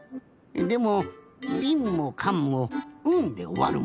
でもびんもかんも「ん」でおわるもんな。